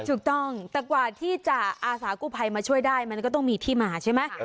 ถูกต้องแต่กว่าที่จะอาสากู้ภัยมาช่วยได้มันก็ต้องมีที่มาใช่ไหม